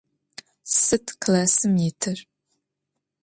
Sıd klassım yitır?